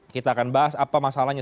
kita akan bahas apa masalahnya